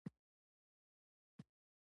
او دوي د باچا خان او ولي خان پۀ ضد